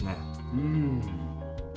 うん。